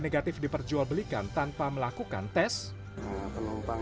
negatif diperjualbelikan untuk pesawat penumpang yang menanggung swabs yang negatif diperjualbelikan